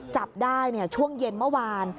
จับได้ช่วงเย็นเมื่อวาน